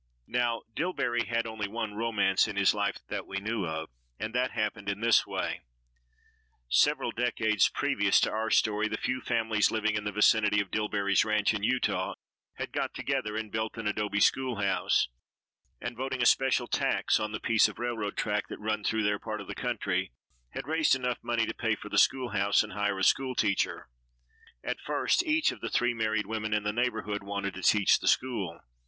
Now Dillbery had only one romance in his life that we knew of, and that happened in this way: Several decades previous to our story the few families living in the vicinity of Dillbery's ranch in Utah had got together and built an adobe school house, and voting a special tax on the piece of railroad track that run through their part of the country had raised enough money to pay for the school house and hire a school teacher. At first each of the three married women in the neighborhood wanted to teach the school.